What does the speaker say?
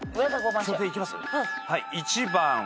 それでいきます？